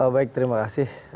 baik terima kasih